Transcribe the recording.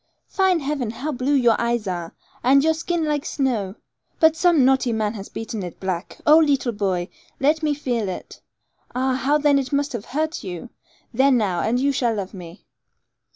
Fine heaven! how blue your eyes are, and your skin like snow; but some naughty man has beaten it black. Oh, leetle boy, let me feel it. Ah, how then it must have hurt you! There now, and you shall love me.'